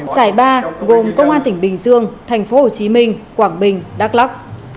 giải ba gồm công an tỉnh bình dương tp hcm quảng bình đắk lắk